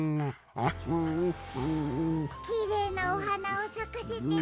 きれいなおはなをさかせてね。